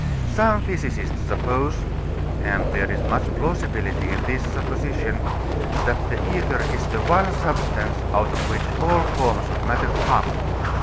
Some physicists suppose and there is much plausibility in the supposition that the ether is the one substance out of which all forms of matter come.